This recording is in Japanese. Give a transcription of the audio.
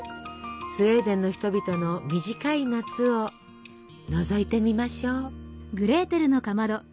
スウェーデンの人々の短い夏をのぞいてみましょう。